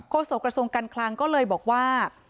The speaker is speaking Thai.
โศกระทรวงการคลังก็เลยบอกว่า